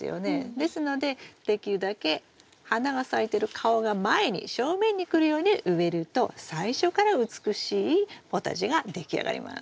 ですのでできるだけ花が咲いてる顔が前に正面に来るように植えると最初から美しいポタジェが出来上がります。